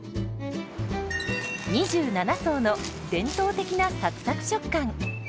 ２７層の伝統的なサクサク食感。